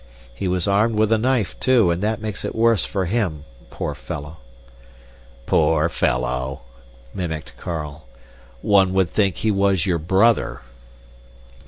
He was armed with a knife, too, and that makes it worse for him, poor fellow!" "Poor fellow!" mimicked Carl. "One would think he was your brother!"